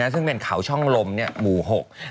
ซึ่งเป็นเขาช่องลมหมู่หก